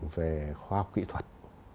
về khoa học kỹ thuật